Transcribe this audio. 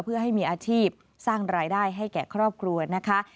เพื่อให้มีอาชีพสร้างรายได้ให้แก่ครอบครัวนะคะ